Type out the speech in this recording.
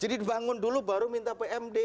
jadi dibangun dulu baru minta pmd